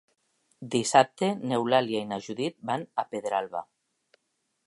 Dissabte n'Eulàlia i na Judit van a Pedralba.